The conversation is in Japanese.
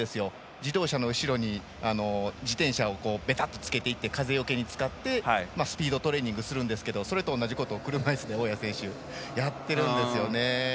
自動車の後ろに自転車をべたっとつけて風よけに使ってスピードトレーニングをするんですけどそれと同じことを車いすで大矢選手はやっているんですよね。